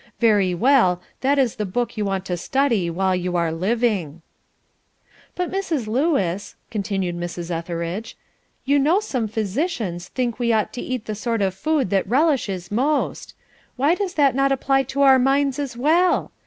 Very well, that is the book you want to study while you are living.'" "But, Mrs. Lewis," continued Mrs. Etheridge, "you know some physicians think we ought to eat the sort of food that relishes most. Why does that not apply to our minds as well?